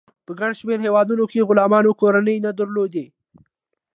په ګڼ شمیر هیوادونو کې غلامانو کورنۍ نه درلودې.